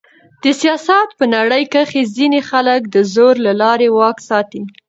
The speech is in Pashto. د سیاست په نړۍ کښي ځينې خلک د زور له لاري واک ساتي.